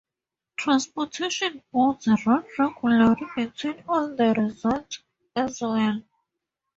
Transportation boats run regularly between all the resorts as well.